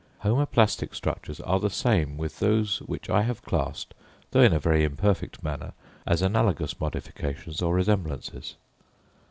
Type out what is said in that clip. Homoplastic structures are the same with those which I have classed, though in a very imperfect manner, as analogous modifications or resemblances.